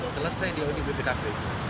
selesai diaudit bpkp